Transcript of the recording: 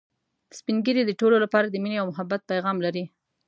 سپین ږیری د ټولو لپاره د ميني او محبت پیغام لري